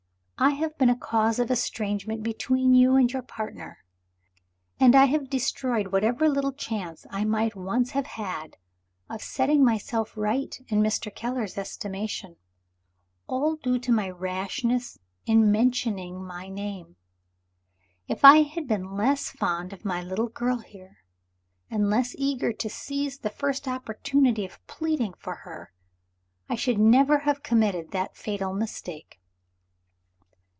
I have been a cause of estrangement between you and your partner, and I have destroyed whatever little chance I might once have had of setting myself right in Mr. Keller's estimation. All due to my rashness in mentioning my name. If I had been less fond of my little girl here, and less eager to seize the first opportunity of pleading for her, I should never have committed that fatal mistake."